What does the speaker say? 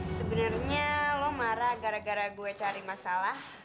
sebenernya lu marah gara gara gue cari masalah